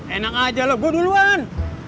enak aja loh gua duluan